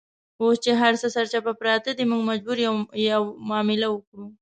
اوس چې هرڅه سرچپه پراته دي، موږ مجبور یو معامله وکړو.